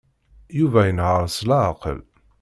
Yuba inehheṛ s leɛqel.